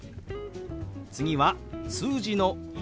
次は数字の「１」。